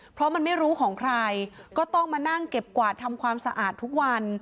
เพราะมันไม่รู้ของใครก็ต้องมานั่งเก็บกวาดทำความสะอาดทุกวัน